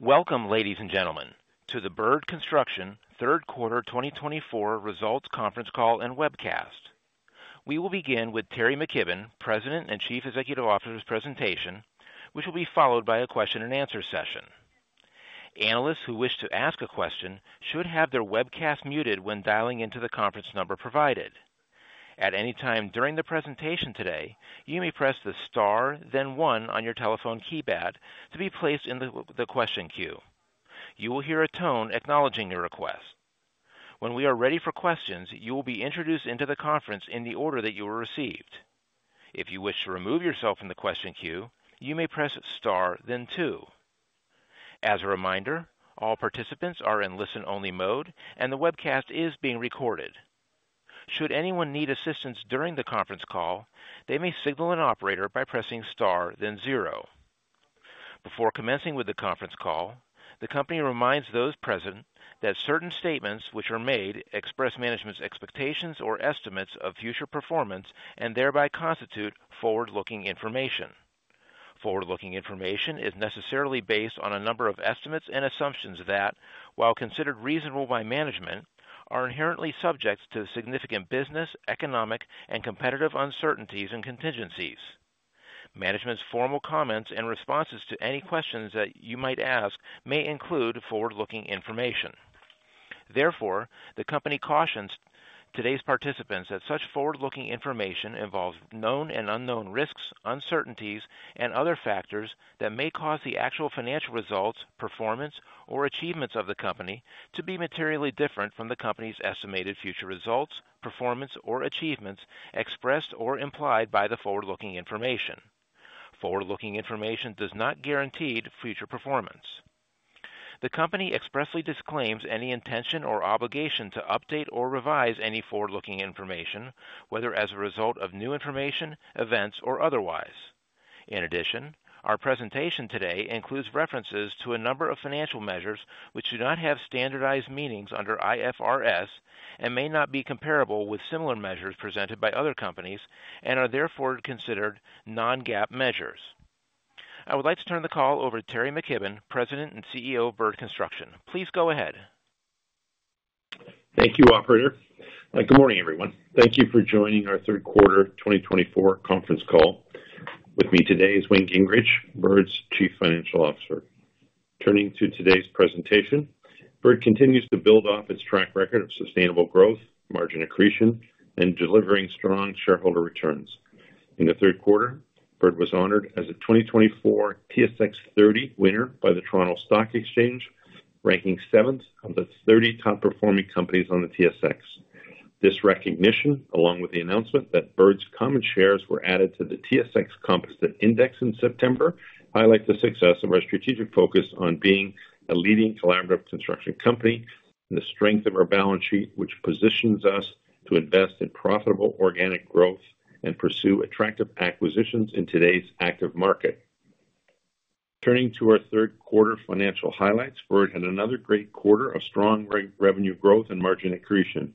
Welcome, ladies and gentlemen, to the Bird Construction Third Quarter 2024 Results conference call and webcast. We will begin with Teri McKibbon, President and Chief Executive Officer’s presentation, which will be followed by a question-and-answer session. Analysts who wish to ask a question should have their webcast muted when dialing into the conference number provided. At any time during the presentation today, you may press the star, then one, on your telephone keypad to be placed in the question queue. You will hear a tone acknowledging your request. When we are ready for questions, you will be introduced into the conference in the order that you were received. If you wish to remove yourself from the question queue, you may press star, then two. As a reminder, all participants are in listen-only mode, and the webcast is being recorded. Should anyone need assistance during the conference call, they may signal an operator by pressing star, then zero. Before commencing with the conference call, the company reminds those present that certain statements which are made express management's expectations or estimates of future performance and thereby constitute forward-looking information. Forward-looking information is necessarily based on a number of estimates and assumptions that, while considered reasonable by management, are inherently subject to significant business, economic, and competitive uncertainties and contingencies. Management's formal comments and responses to any questions that you might ask may include forward-looking information. Therefore, the company cautions today's participants that such forward-looking information involves known and unknown risks, uncertainties, and other factors that may cause the actual financial results, performance, or achievements of the company to be materially different from the company's estimated future results, performance, or achievements expressed or implied by the forward-looking information. Forward-looking information does not guarantee future performance. The company expressly disclaims any intention or obligation to update or revise any forward-looking information, whether as a result of new information, events, or otherwise. In addition, our presentation today includes references to a number of financial measures which do not have standardized meanings under IFRS and may not be comparable with similar measures presented by other companies and are therefore considered non-GAAP measures. I would like to turn the call over to Teri McKibbon, President and CEO of Bird Construction. Please go ahead. Thank you, Operator. Good morning, everyone. Thank you for joining our Third Quarter 2024 Conference Call. With me today is Wayne Gingrich, Bird's Chief Financial Officer. Turning to today's presentation, Bird continues to build off its track record of sustainable growth, margin accretion, and delivering strong shareholder returns. In the third quarter, Bird was honored as a 2024 TSX30 winner by the Toronto Stock Exchange, ranking seventh of the 30 top-performing companies on the TSX. This recognition, along with the announcement that Bird's common shares were added to the TSX Composite Index in September, highlights the success of our strategic focus on being a leading collaborative construction company and the strength of our balance sheet, which positions us to invest in profitable organic growth and pursue attractive acquisitions in today's active market. Turning to our third quarter financial highlights, Bird had another great quarter of strong revenue growth and margin accretion.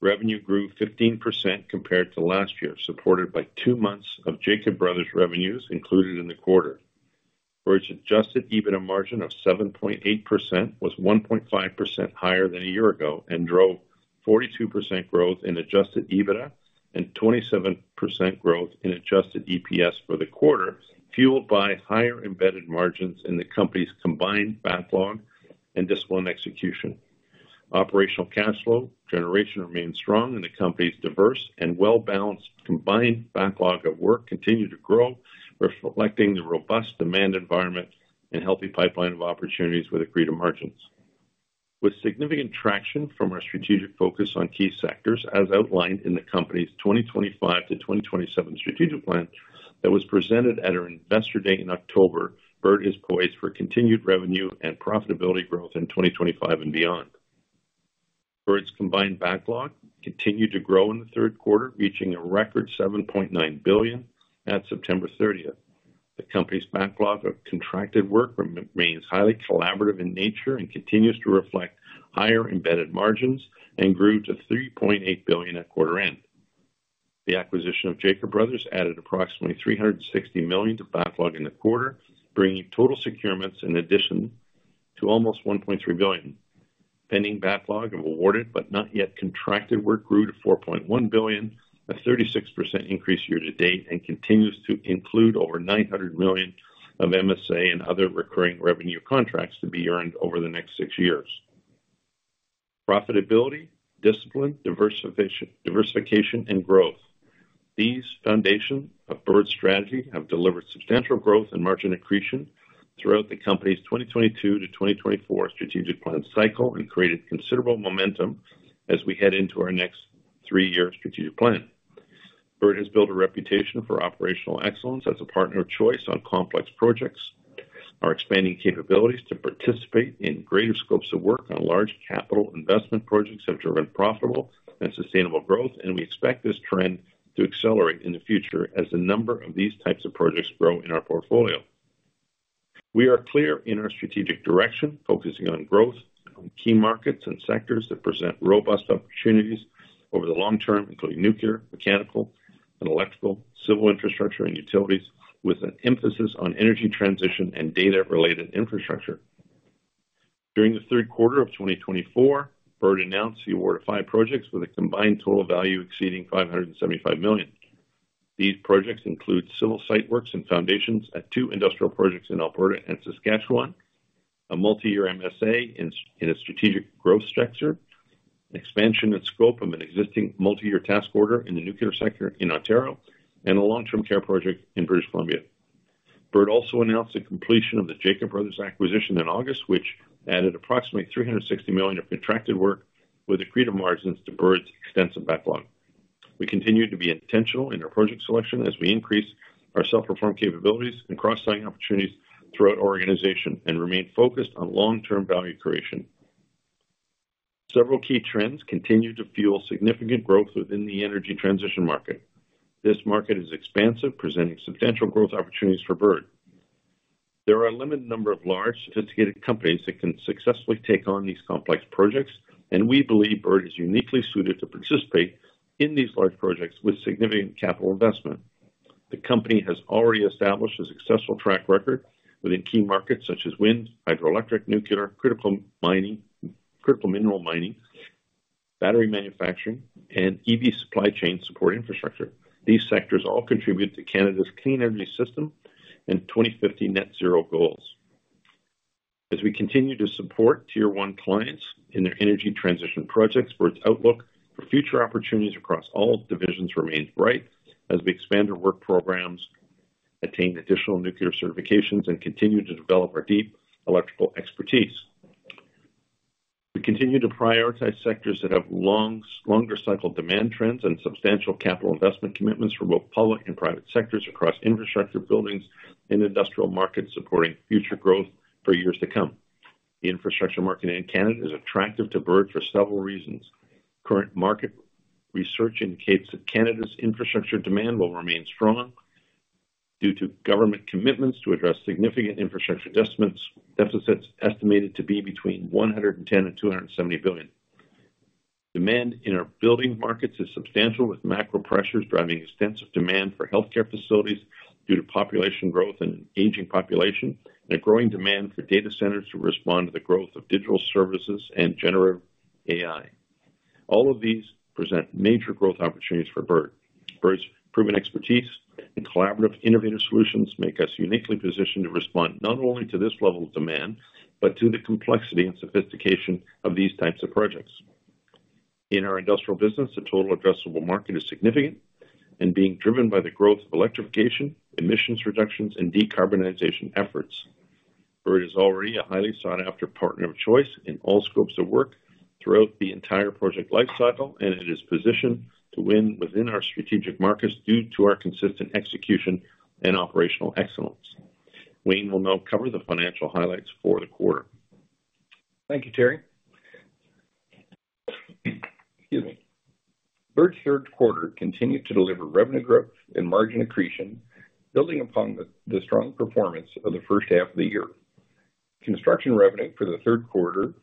Revenue grew 15% compared to last year, supported by two months of Jacob Bros' revenues included in the quarter. Bird's adjusted EBITDA margin of 7.8% was 1.5% higher than a year ago and drove 42% growth in adjusted EBITDA and 27% growth in adjusted EPS for the quarter, fueled by higher embedded margins in the company's combined backlog and discipline execution. Operational cash flow generation remained strong, and the company's diverse and well-balanced combined backlog of work continued to grow, reflecting the robust demand environment and healthy pipeline of opportunities with agreed margins. With significant traction from our strategic focus on key sectors, as outlined in the company's 2025-2027 strategic plan that was presented at our Investor Day in October, Bird is poised for continued revenue and profitability growth in 2025 and beyond. Bird's combined backlog continued to grow in third quarter, reaching a record 7.9 billion at September 30th. The company's backlog of contracted work remains highly collaborative in nature and continues to reflect higher embedded margins and grew to 3.8 billion at quarter end. The acquisition of Jacob Bros added approximately 360 million to backlog in the quarter, bringing total securements in addition to almost 1.3 billion. Pending backlog of awarded but not yet contracted work grew to 4.1 billion, a 36% increase year to date, and continues to include over 900 million of MSA and other recurring revenue contracts to be earned over the next six years. Profitability, discipline, diversification, and growth. These foundations of Bird's strategy have delivered substantial growth and margin accretion throughout the company's 2022-2024 strategic plan cycle and created considerable momentum as we head into our next three-year strategic plan. Bird has built a reputation for operational excellence as a partner of choice on complex projects. Our expanding capabilities to participate in greater scopes of work on large capital investment projects have driven profitable and sustainable growth, and we expect this trend to accelerate in the future as the number of these types of projects grow in our portfolio. We are clear in our strategic direction, focusing on growth, key markets, and sectors that present robust opportunities over the long term, including nuclear, mechanical, and electrical, civil infrastructure, and utilities, with an emphasis on energy transition and data-related infrastructure. During Q3 of 2024, Bird announced the award of five projects with a combined total value exceeding 575 million. These projects include civil site works and foundations at two industrial projects in Alberta and Saskatchewan, a multi-year MSA in a strategic growth sector, an expansion and scope of an existing multi-year task order in the nuclear sector in Ontario, and a long-term care project in British Columbia. Bird also announced the completion of the Jacob Bros acquisition in August, which added approximately 360 million of contracted work with agreed margins to Bird's extensive backlog. We continue to be intentional in our project selection as we increase our self-performed capabilities and cross-selling opportunities throughout our organization and remain focused on long-term value creation. Several key trends continue to fuel significant growth within the energy transition market. This market is expansive, presenting substantial growth opportunities for Bird. There are a limited number of large, sophisticated companies that can successfully take on these complex projects, and we believe Bird is uniquely suited to participate in these large projects with significant capital investment. The company has already established a successful track record within key markets such as wind, hydroelectric, nuclear, critical mineral mining, battery manufacturing, and EV supply chain support infrastructure. These sectors all contribute to Canada's clean energy system and 2050 net-zero goals. As we continue to support Tier 1 clients in their energy transition projects, Bird's outlook for future opportunities across all divisions remains bright as we expand our work programs, attain additional nuclear certifications, and continue to develop our deep electrical expertise. We continue to prioritize sectors that have longer cycle demand trends and substantial capital investment commitments from both public and private sectors across infrastructure, buildings, and industrial markets, supporting future growth for years to come. The infrastructure market in Canada is attractive to Bird for several reasons. Current market research indicates that Canada's infrastructure demand will remain strong due to government commitments to address significant infrastructure deficits estimated to be between 110 billion and 270 billion. Demand in our building markets is substantial, with macro pressures driving extensive demand for healthcare facilities due to population growth and an aging population, and a growing demand for data centers to respond to the growth of digital services and generative AI. All of these present major growth opportunities for Bird. Bird's proven expertise and collaborative innovative solutions make us uniquely positioned to respond not only to this level of demand but to the complexity and sophistication of these types of projects. In our industrial business, the total addressable market is significant and being driven by the growth of electrification, emissions reductions, and decarbonization efforts. Bird is already a highly sought-after partner of choice in all scopes of work throughout the entire project lifecycle, and it is positioned to win within our strategic markets due to our consistent execution and operational excellence. Wayne will now cover the financial highlights for the quarter. Thank you, Teri. Excuse me. Bird's third quarter continued to deliver revenue growth and margin accretion, building upon the strong performance of the first half of the year. Construction revenue for the third quarter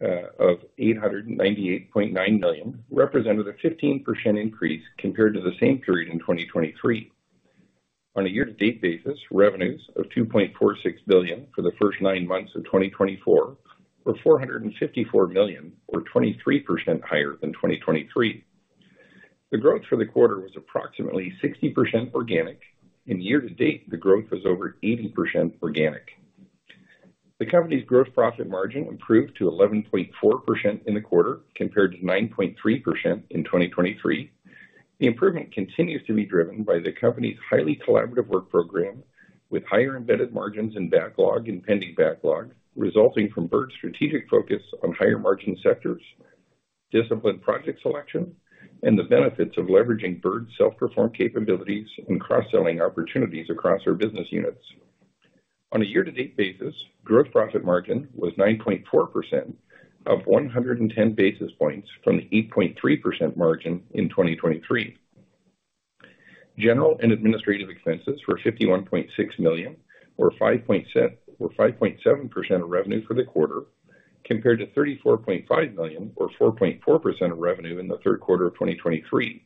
of 898.9 million represented a 15% increase compared to the same period in 2023. On a year-to-date basis, revenues of 2.46 billion for the first nine months of 2024 were 454 million, or 23% higher than 2023. The growth for the quarter was approximately 60% organic. In year-to-date, the growth was over 80% organic. The company's gross profit margin improved to 11.4% in the quarter compared to 9.3% in 2023. The improvement continues to be driven by the company's highly collaborative work program, with higher embedded margins in backlog and pending backlog resulting from Bird's strategic focus on higher margin sectors, disciplined project selection, and the benefits of leveraging Bird's self-performed capabilities and cross-selling opportunities across our business units. On a year-to-date basis, gross profit margin was 9.4%, up 110 basis points from the 8.3% margin in 2023. General and Administrative expenses were 51.6 million, or 5.7% of revenue for the quarter, compared to 34.5 million, or 4.4% of revenue in the third quarter of 2023.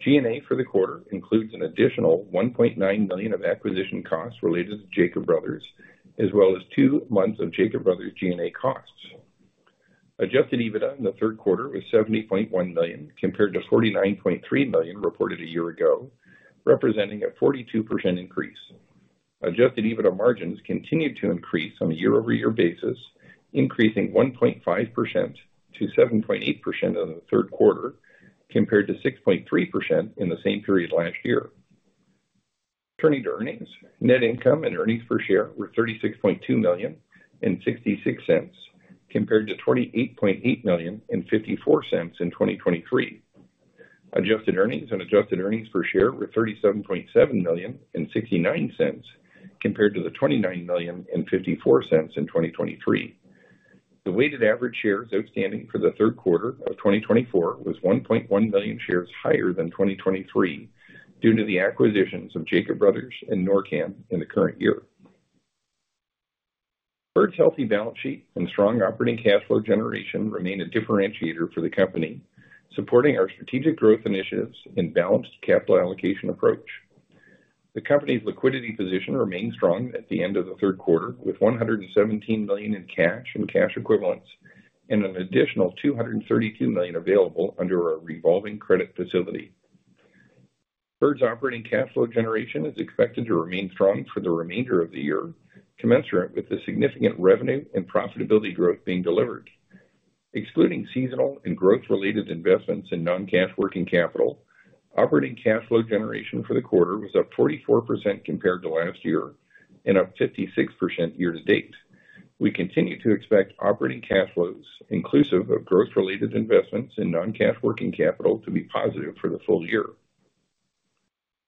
G&A for the quarter includes an additional 1.9 million of acquisition costs related to Jacob Bros, as well as two months of Jacob Bros' G&A costs. Adjusted EBITDA in the third quarter was 70.1 million compared to 49.3 million reported a year ago, representing a 42% increase. Adjusted EBITDA margins continued to increase on a year-over-year basis, increasing 1.5% to 7.8% in the third quarter compared to 6.3% in the same period last year. Turning to earnings, net income and earnings per share were 36.2 million and 0.66 compared to 28.8 million and 0.54 in 2023. Adjusted earnings and adjusted earnings per share were 37.7 million and 0.69 compared to 29 million and 0.54 in 2023. The weighted average shares outstanding for the third quarter of 2024 was 1.1 million shares higher than 2023 due to the acquisitions of Jacob Bros and NorCan in the current year. Bird's healthy balance sheet and strong operating cash flow generation remain a differentiator for the company, supporting our strategic growth initiatives and balanced capital allocation approach. The company's liquidity position remained strong at the end of the third quarter, with 117 million in cash and cash equivalents and an additional 232 million available under our revolving credit facility. Bird's operating cash flow generation is expected to remain strong for the remainder of the year, commensurate with the significant revenue and profitability growth being delivered. Excluding seasonal and growth-related investments in non-cash working capital, operating cash flow generation for the quarter was up 44% compared to last year and up 56% year-to-date. We continue to expect operating cash flows, inclusive of growth-related investments in non-cash working capital, to be positive for the full year.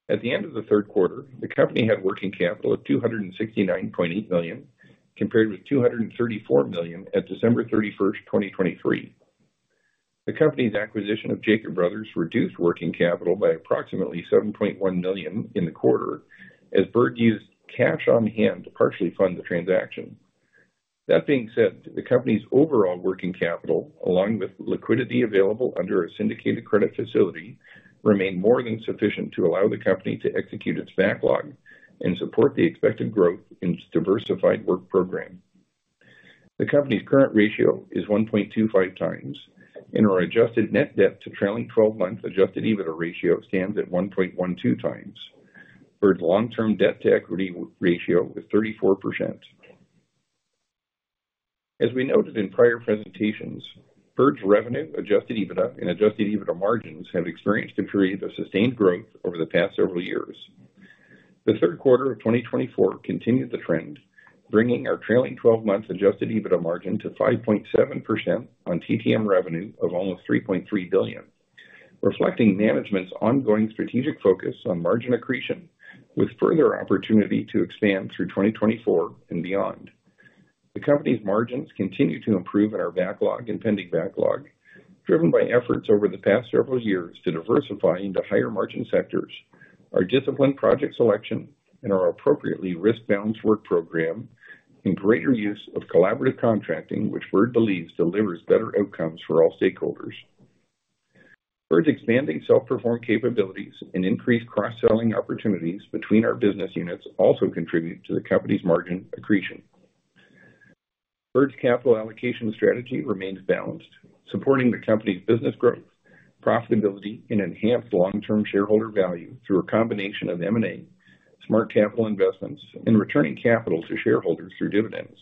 At the end of the third quarter, the company had working capital of 269.8 million compared with 234 million at December 31st, 2023. The company's acquisition of Jacob Bros reduced working capital by approximately 7.1 million in the quarter, as Bird used cash on hand to partially fund the transaction. That being said, the company's overall working capital, along with liquidity available under a syndicated credit facility, remained more than sufficient to allow the company to execute its backlog and support the expected growth in its diversified work program. The company's current ratio is 1.25x, and our adjusted net debt to trailing 12-month Adjusted EBITDA ratio stands at 1.12x. Bird's long-term debt-to-equity ratio is 34%. As we noted in prior presentations, Bird's revenue, Adjusted EBITDA, and Adjusted EBITDA margins have experienced a period of sustained growth over the past several years. The third quarterof 2024 continued the trend, bringing our trailing 12-month adjusted EBITDA margin to 5.7% on TTM revenue of almost 3.3 billion, reflecting management's ongoing strategic focus on margin accretion, with further opportunity to expand through 2024 and beyond. The company's margins continue to improve in our backlog and pending backlog, driven by efforts over the past several years to diversify into higher margin sectors, our disciplined project selection, and our appropriately risk-balanced work program, and greater use of collaborative contracting, which Bird believes delivers better outcomes for all stakeholders. Bird's expanding self-performed capabilities and increased cross-selling opportunities between our business units also contribute to the company's margin accretion. Bird's capital allocation strategy remains balanced, supporting the company's business growth, profitability, and enhanced long-term shareholder value through a combination of M&A, smart capital investments, and returning capital to shareholders through dividends.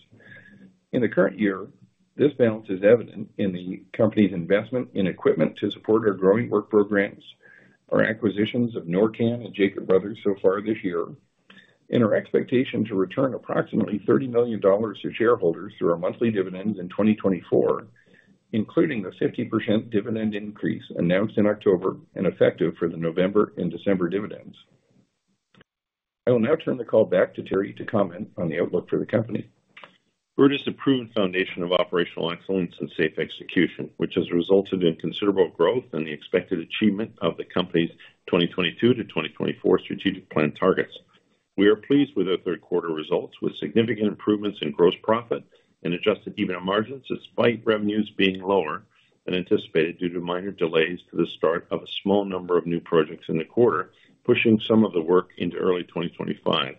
In the current year, this balance is evident in the company's investment in equipment to support our growing work programs, our acquisitions of NorCan Electric and Jacob Bros so far this year, and our expectation to return approximately 30 million dollars to shareholders through our monthly dividends in 2024, including the 50% dividend increase announced in October and effective for the November and December dividends. I will now turn the call back to Teri to comment on the outlook for the company. Bird has a proven foundation of operational excellence and safe execution, which has resulted in considerable growth and the expected achievement of the company's 2022 to 2024 strategic plan targets. We are pleased with our third quarter results, with significant improvements in gross profit and adjusted EBITDA margins despite revenues being lower than anticipated due to minor delays to the start of a small number of new projects in the quarter, pushing some of the work into early 2025.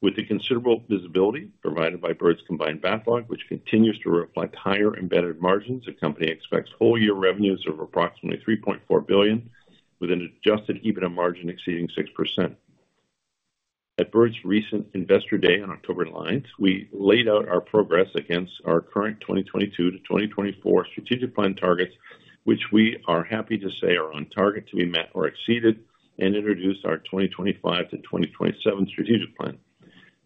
With the considerable visibility provided by Bird's combined backlog, which continues to reflect higher embedded margins, the company expects whole-year revenues of approximately 3.4 billion, with an adjusted EBITDA margin exceeding 6%. At Bird's recent Investor Day on October 9th, we laid out our progress against our current 2022 to 2024 strategic plan targets, which we are happy to say are on target to be met or exceeded, and introduced our 2025 to 2027 strategic plan.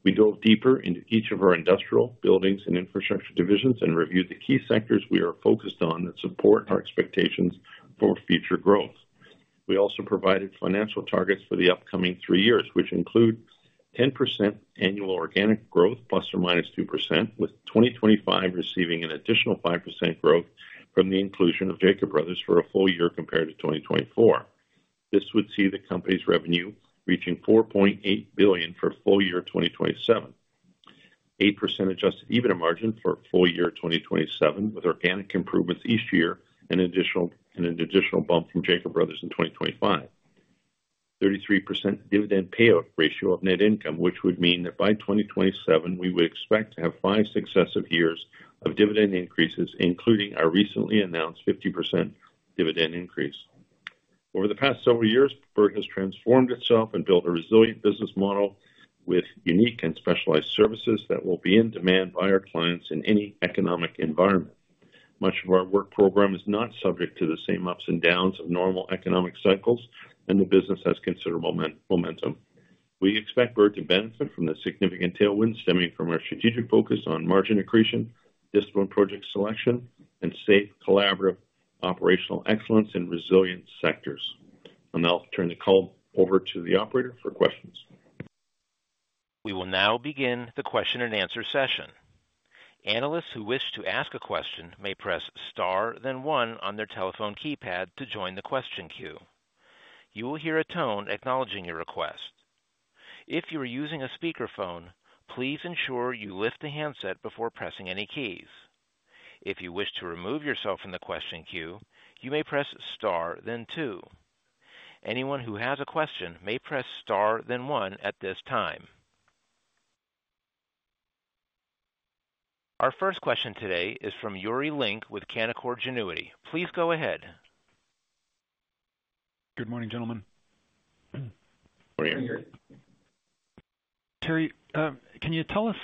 We delved deeper into each of our industrial, buildings, and infrastructure divisions and reviewed the key sectors we are focused on that support our expectations for future growth. We also provided financial targets for the upcoming three years, which include 10% annual organic growth ±2%, with 2025 receiving an additional 5% growth from the inclusion of Jacob Bros for a full year compared to 2024. This would see the company's revenue reaching 4.8 billion for FY2027, 8% Adjusted EBITDA margin for FY2027, with organic improvements each year and an additional bump from Jacob Bros in 2025, 33% dividend payout ratio of net income, which would mean that by 2027, we would expect to have five successive years of dividend increases, including our recently announced 50% dividend increase. Over the past several years, Bird has transformed itself and built a resilient business model with unique and specialized services that will be in demand by our clients in any economic environment. Much of our work program is not subject to the same ups and downs of normal economic cycles, and the business has considerable momentum. We expect Bird to benefit from the significant tailwinds stemming from our strategic focus on margin accretion, disciplined project selection, and safe collaborative operational excellence in resilient sectors. I'll now turn the call over to the operator for questions. We will now begin the question-and-answer session. Analysts who wish to ask a question may press star, then one on their telephone keypad to join the question queue. You will hear a tone acknowledging your request. If you are using a speakerphone, please ensure you lift the handset before pressing any keys. If you wish to remove yourself from the question queue, you may press star, then two. Anyone who has a question may press star, then one at this time. Our first question today is from Yuri Lynk with Canaccord Genuity. Please go ahead. Good morning, gentlemen. Good morning, Yuri. Teri, can you tell us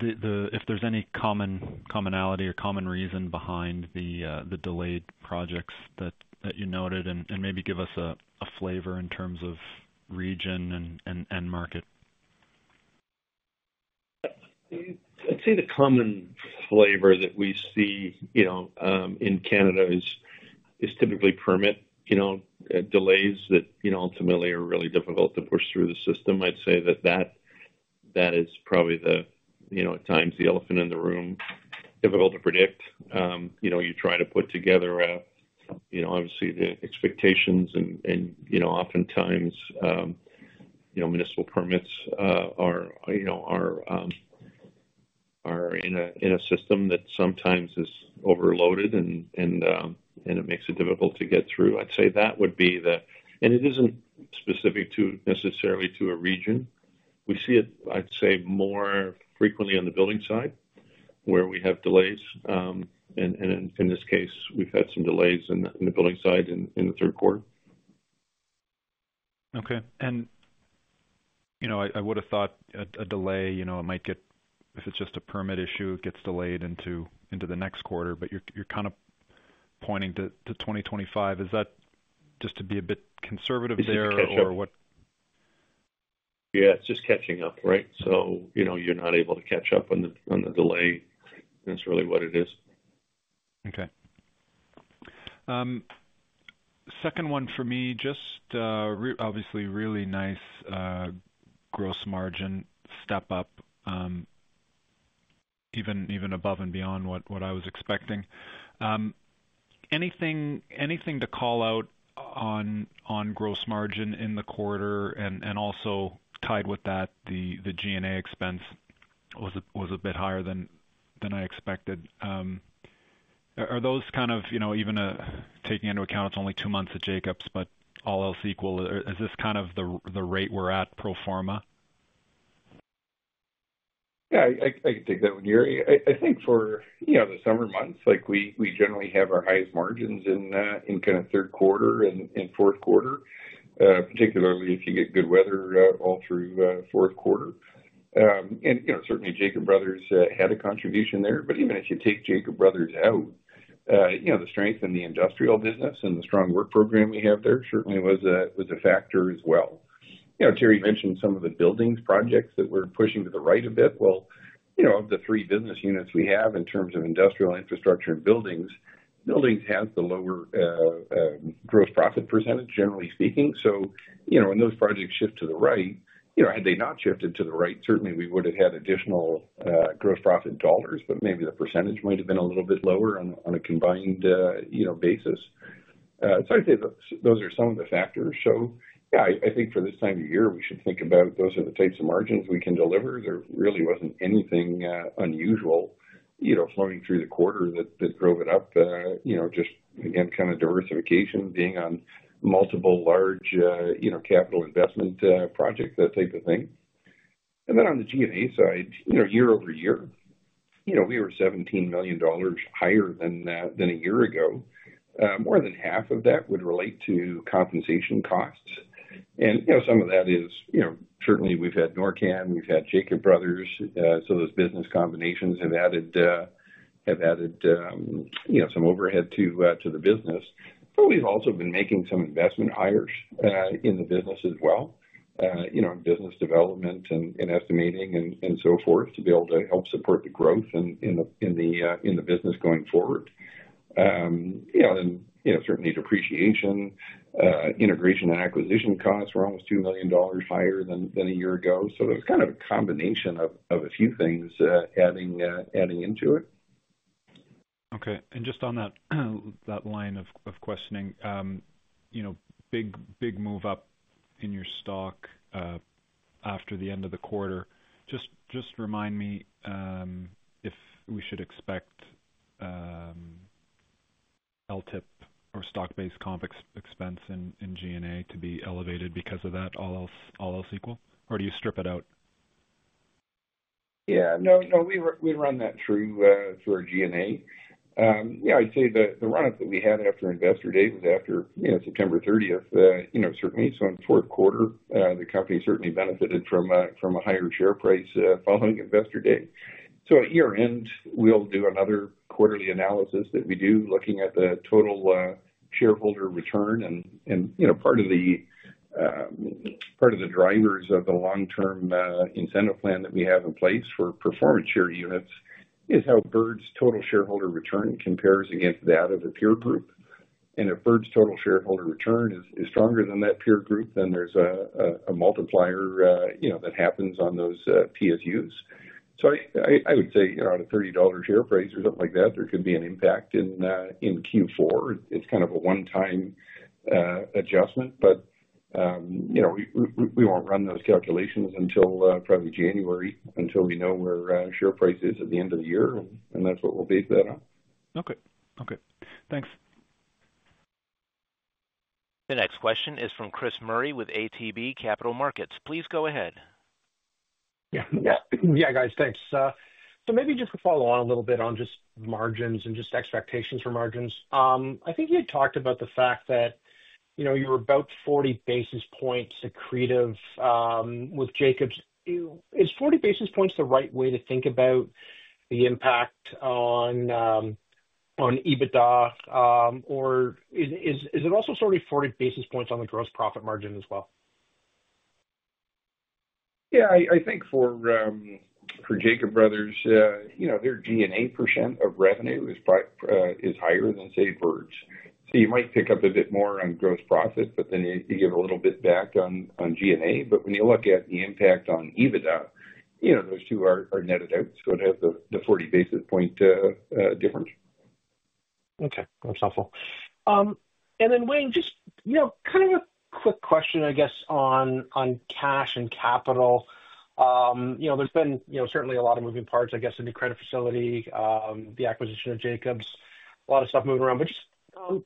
if there's any commonality or common reason behind the delayed projects that you noted and maybe give us a flavor in terms of region and market? I'd say the common flavor that we see in Canada is typically permit delays that ultimately are really difficult to push through the system. I'd say that that is probably at times the elephant in the room. Difficult to predict. You try to put together, obviously, the expectations, and oftentimes municipal permits are in a system that sometimes is overloaded, and it makes it difficult to get through. I'd say that would be the, and it isn't specific necessarily to a region. We see it, I'd say, more frequently on the building side where we have delays, and in this case, we've had some delays in the building side in the third quarter. Okay. And I would have thought a delay, it might get-if it's just a permit issue, it gets delayed into the next quarter, but you're kind of pointing to 2025. Is that just to be a bit conservative there, or what? It's just catching up. Yeah, it's just catching up, right? So you're not able to catch up on the delay. That's really what it is. Okay. Second one for me, just obviously really nice gross margin step-up, even above and beyond what I was expecting. Anything to call out on gross margin in the quarter? And also tied with that, the G&A expense was a bit higher than I expected. Are those kind of even taking into account it's only two months at Jacob Bros, but all else equal, is this kind of the rate we're at pro forma? Yeah, I can take that one, Yuri. I think for the summer months, we generally have our highest margins in third quarter and fourth quarter, particularly if you get good weather all through fourth quarter. And certainly, Jacob Bros had a contribution there. But even if you take Jacob Bros out, the strength in the industrial business and the strong work program we have there certainly was a factor as well. Teri mentioned some of the buildings projects that we're pushing to the right a bit. Well, of the three business units we have in terms of industrial infrastructure and buildings, buildings has the lower gross profit percentage, generally speaking. So when those projects shift to the right, had they not shifted to the right, certainly we would have had additional gross profit dollars, but maybe the percentage might have been a little bit lower on a combined basis. I'd say those are some of the factors. Yeah, I think for this time of year, we should think about those are the types of margins we can deliver. There really wasn't anything unusual flowing through the quarter that drove it up, just, again, kind of diversification being on multiple large capital investment projects, that type of thing. And then on the G&A side, year-over-year, we were 17 million dollars higher than a year ago. More than half of that would relate to compensation costs. And some of that is certainly we've had NorCan, we've had Jacob Bros, so those business combinations have added some overhead to the business. But we've also been making some investment hires in the business as well, business development and estimating and so forth to be able to help support the growth in the business going forward. Certainly, depreciation, integration, and acquisition costs were almost 2 million dollars higher than a year ago. It was kind of a combination of a few things adding into it. Okay. And just on that line of questioning, big move up in your stock after the end of the quarter, just remind me if we should expect LTIP or stock-based comp expense in G&A to be elevated because of that, all else equal, or do you strip it out? Yeah. No, we run that through our G&A. Yeah, I'd say the run-up that we had after Investor Day was after September 30th, certainly, so in fourth quarter, the company certainly benefited from a higher share price following Investor Day. So at year-end, we'll do another quarterly analysis that we do looking at the total shareholder return, and part of the drivers of the long-term incentive plan that we have in place for performance share units is how Bird's total shareholder return compares against that of a peer group, and if Bird's total shareholder return is stronger than that peer group, then there's a multiplier that happens on those PSUs, so I would say at a 30 dollar share price or something like that, there could be an impact in Q4. It's kind of a one-time adjustment, but we won't run those calculations until probably January, until we know where share price is at the end of the year, and that's what we'll base that on. Okay. Okay. Thanks. The next question is from Chris Murray with ATB Capital Markets. Please go ahead. Yeah. Yeah, guys, thanks. So maybe just to follow on a little bit on just margins and just expectations for margins, I think you had talked about the fact that you were about 40 basis points accretive with Jacob Bros. Is 40 basis points the right way to think about the impact on EBITDA, or is it also sort of 40 basis points on the gross profit margin as well? Yeah, I think for Jacob Bros, their G&A percent of revenue is higher than, say, Bird's. So you might pick up a bit more on gross profit, but then you give a little bit back on G&A. But when you look at the impact on EBITDA, those two are netted out, so it has the 40 basis point difference. Okay. That's helpful. And then, Wayne, just kind of a quick question, I guess, on cash and capital. There's been certainly a lot of moving parts, I guess, in the credit facility, the acquisition of Jacob Bros, a lot of stuff moving around. But just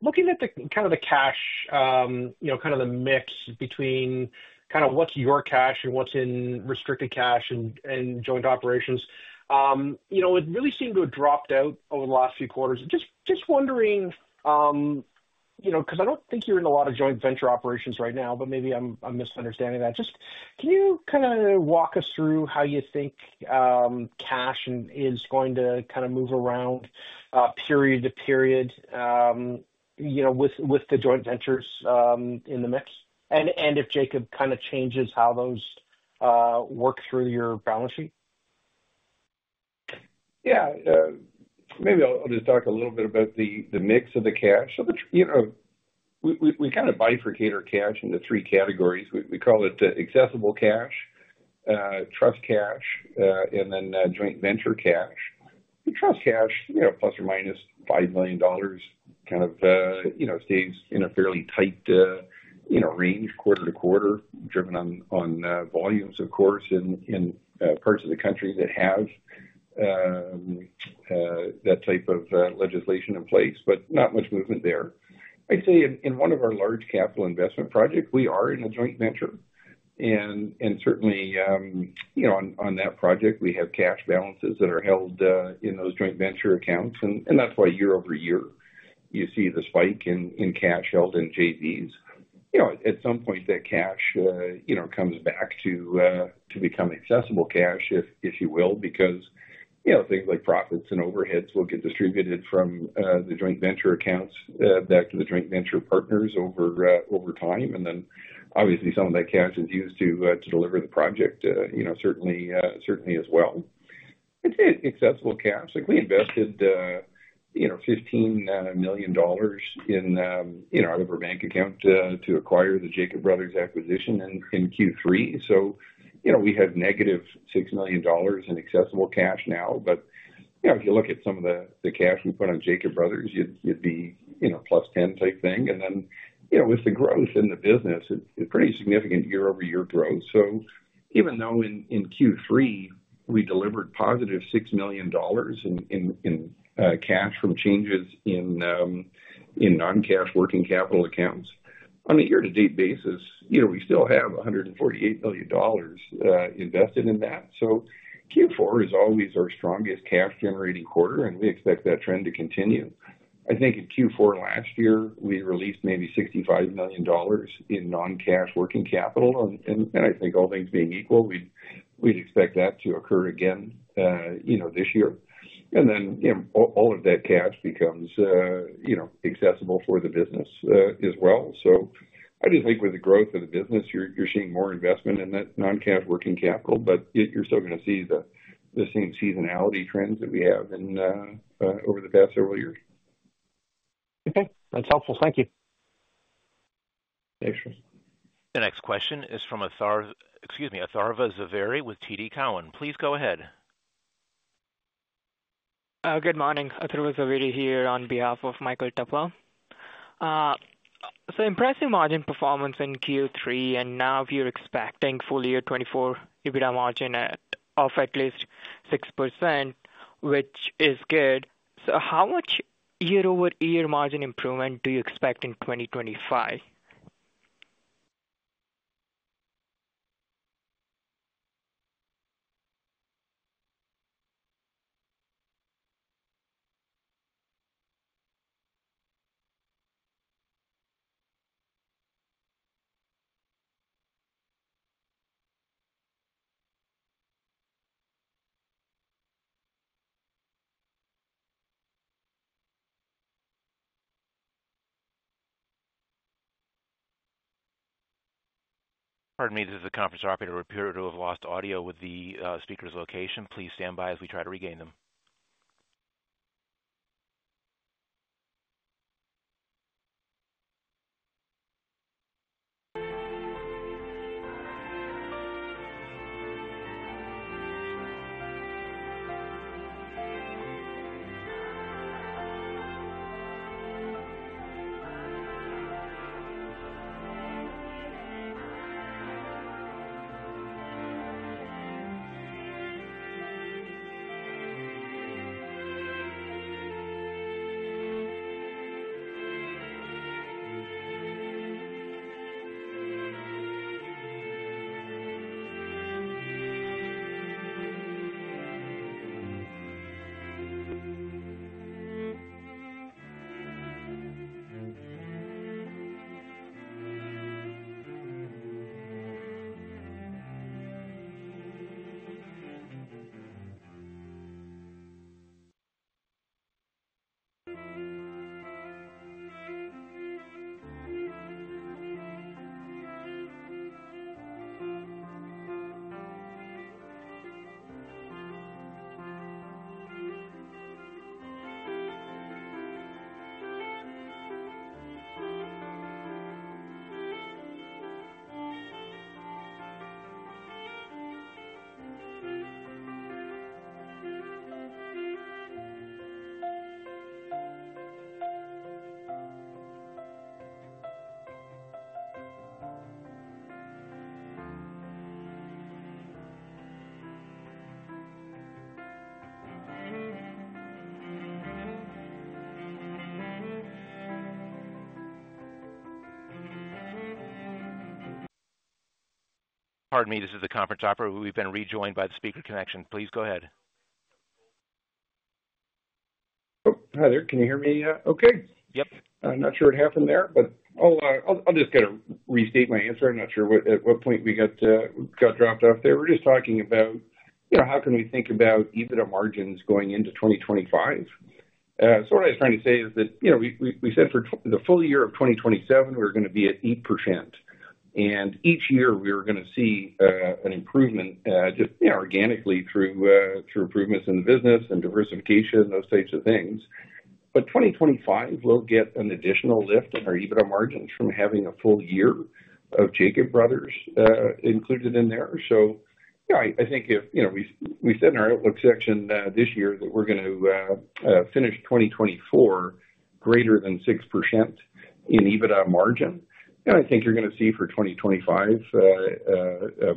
looking at kind of the cash, kind of the mix between kind of what's your cash and what's in restricted cash and joint operations, it really seemed to have dropped out over the last few quarters. Just wondering, because I don't think you're in a lot of joint venture operations right now, but maybe I'm misunderstanding that, just can you kind of walk us through how you think cash is going to kind of move around period-to-period with the joint ventures in the mix? And Jacob Bros kind of changes how those work through your balance sheet? Yeah. Maybe I'll just talk a little bit about the mix of the cash. We kind of bifurcate our cash into three categories. We call it accessible cash, trust cash, and then joint venture cash. The trust cash, plus or minus 5 million dollars, kind of stays in a fairly tight range quarter-to-quarter, driven on volumes, of course, in parts of the country that have that type of legislation in place, but not much movement there. I'd say in one of our large capital investment projects, we are in a joint venture. And certainly, on that project, we have cash balances that are held in those joint venture accounts. And that's why year-over-year, you see the spike in cash held in JVs. At some point, that cash comes back to become accessible cash, if you will, because things like profits and overheads will get distributed from the joint venture accounts back to the joint venture partners over time, and then, obviously, some of that cash is used to deliver the project, certainly as well. It's accessible cash. We invested 15 million dollars in our bank account to acquire the Jacob Bros acquisition in Q3, so we have negative 6 million dollars in accessible cash now, but if you look at some of the cash we put on Jacob Bros, you'd be +10 type thing, and then with the growth in the business, it's pretty significant year-over-year growth, so even though in Q3, we delivered positive 6 million dollars in cash from changes in non-cash working capital accounts, on a year-to-date basis, we still have 148 million dollars invested in that. Q4 is always our strongest cash-generating quarter, and we expect that trend to continue. I think in Q4 last year, we released maybe 65 million dollars in non-cash working capital. I think all things being equal, we'd expect that to occur again this year. Then all of that cash becomes accessible for the business as well. I just think with the growth of the business, you're seeing more investment in that non-cash working capital, but you're still going to see the same seasonality trends that we have over the past several years. Okay. That's helpful. Thank you. Thanks, Chris. The next question is from Atharva Zaveri with TD Cowen. Please go ahead. Good morning. Atharva Zaveri here on behalf of Michael Tupholme. So impressive margin performance in Q3, and now you're expecting FY2024 EBITDA margin of at least 6%, which is good. So how much year-over-year margin improvement do you expect in 2025? Pardon me, this is the conference operator reporting we have lost audio with the speaker's location. Please stand by as we try to regain them. Pardon me, this is the conference operator. We've been rejoined by the speaker connection. Please go ahead. Hi there. Can you hear me okay? Yep. I'm not sure what happened there, but I'll just kind of restate my answer. I'm not sure at what point we got dropped off there. We're just talking about how can we think about EBITDA margins going into 2025? So what I was trying to say is that we said for the FY2027, we're going to be at 8%. And each year, we were going to see an improvement just organically through improvements in the business and diversification, those types of things, but 2025 will get an additional lift in our EBITDA margins from having a full year of Jacob Bros included in there, so I think if we said in our outlook section this year that we're going to finish 2024 greater than 6% in EBITDA margin, and I think you're going to see for 2025,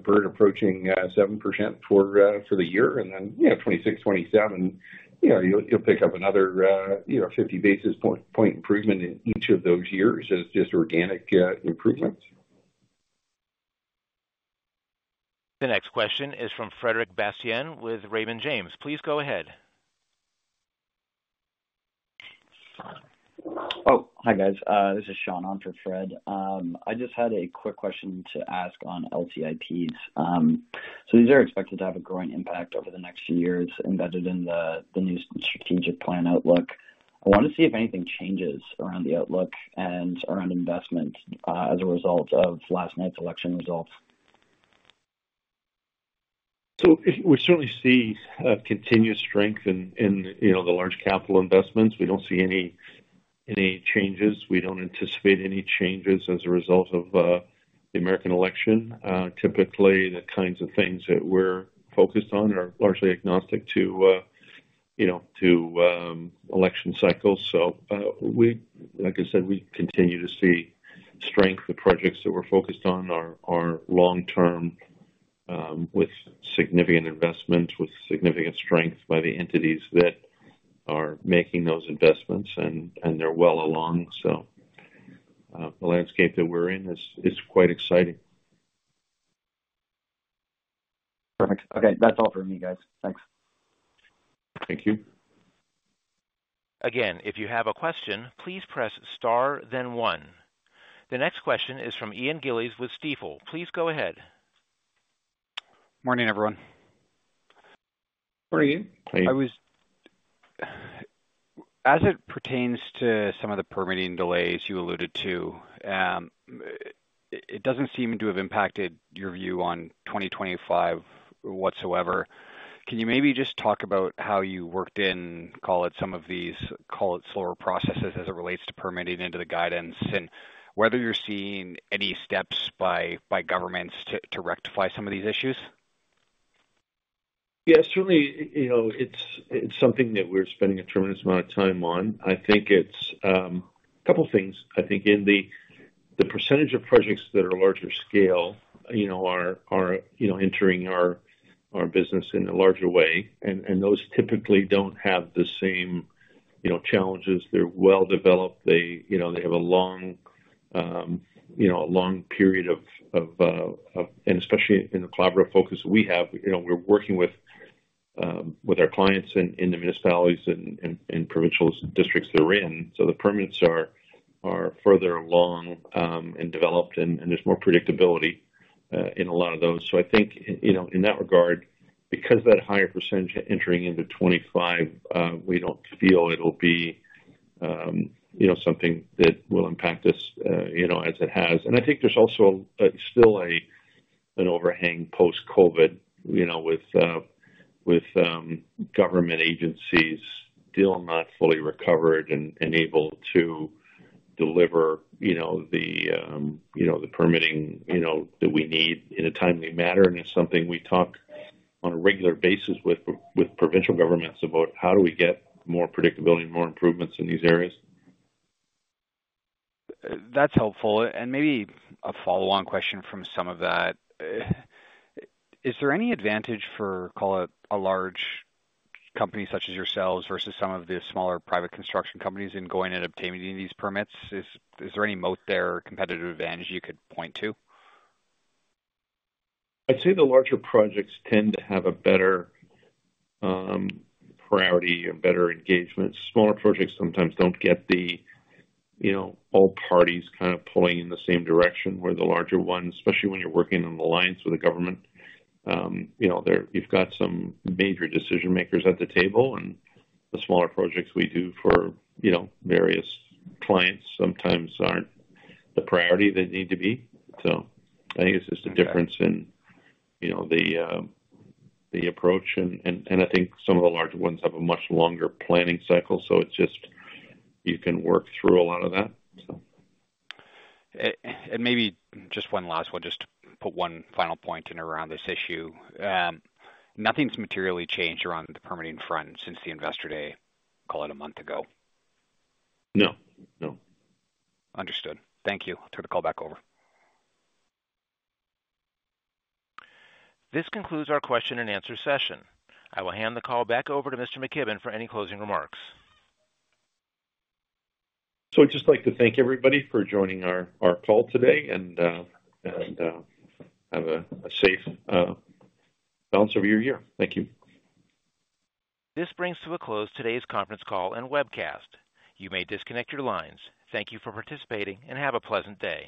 Bird approaching 7% for the year. And then 2026, 2027, you'll pick up another 50 basis point improvement in each of those years as just organic improvements. The next question is from Frederic Bastien with Raymond James. Please go ahead. Oh, hi guys. This is Sean on for Fred. I just had a quick question to ask on LTIPs. So these are expected to have a growing impact over the next few years embedded in the new strategic plan outlook. I want to see if anything changes around the outlook and around investment as a result of last night's election results. We certainly see continued strength in the large capital investments. We don't see any changes. We don't anticipate any changes as a result of the American election. Typically, the kinds of things that we're focused on are largely agnostic to election cycles. Like I said, we continue to see strength. The projects that we're focused on are long-term with significant investments, with significant strength by the entities that are making those investments, and they're well along. The landscape that we're in is quite exciting. Perfect. Okay. That's all for me, guys. Thanks. Thank you. Again, if you have a question, please press star, then one. The next question is from Ian Gillies with Stifel. Please go ahead. Morning, everyone. Morning. Hey. As it pertains to some of the permitting delays you alluded to, it doesn't seem to have impacted your view on 2025 whatsoever. Can you maybe just talk about how you worked in, call it, some of these slower processes as it relates to permitting into the guidance, and whether you're seeing any steps by governments to rectify some of these issues? Yeah, certainly, it's something that we're spending a tremendous amount of time on. I think it's a couple of things. I think in the percentage of projects that are larger scale are entering our business in a larger way. And those typically don't have the same challenges. They're well developed. They have a long period of, and especially in the collaborative focus that we have, we're working with our clients in the municipalities and provincial districts they're in. So the permits are further along and developed, and there's more predictability in a lot of those. So I think in that regard, because that higher percentage entering into 2025, we don't feel it'll be something that will impact us as it has. And I think there's also still an overhang post-COVID with government agencies still not fully recovered and able to deliver the permitting that we need in a timely manner. It's something we talk on a regular basis with provincial governments about how do we get more predictability and more improvements in these areas. That's helpful. And maybe a follow-on question from some of that. Is there any advantage for, call it, a large company such as yourselves versus some of the smaller private construction companies in going and obtaining these permits? Is there any moat there or competitive advantage you could point to? I'd say the larger projects tend to have a better priority or better engagement. Smaller projects sometimes don't get all parties kind of pulling in the same direction where the larger ones, especially when you're working in alliance with the government, you've got some major decision-makers at the table. And the smaller projects we do for various clients sometimes aren't the priority they need to be. So I think it's just a difference in the approach. And I think some of the larger ones have a much longer planning cycle. So it's just you can work through a lot of that, so. Maybe just one last one, just to put one final point in around this issue. Nothing's materially changed around the permitting front since the Investor Day, call it, a month ago. No. No. Understood. Thank you. I'll turn the call back over. This concludes our question-and-answer session. I will hand the call back over to Mr. McKibbon for any closing remarks. So I'd just like to thank everybody for joining our call today and have a safe balance of your year. Thank you. This brings to a close today's conference call and webcast. You may disconnect your lines. Thank you for participating and have a pleasant day.